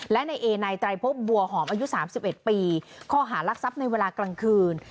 และนายเอนายตรายพบบัวหอมอายุสามสิบเอ็ดปีคอหารักทรัพย์ในเวลากลางคืน